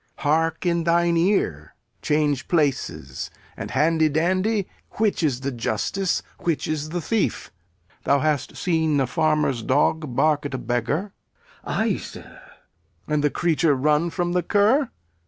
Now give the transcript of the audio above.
Hark in thine ear. Change places and, handy dandy, which is the justice, which is the thief? Thou hast seen a farmer's dog bark at a beggar? Glou. Ay, sir. Lear. And the creature run from the cur?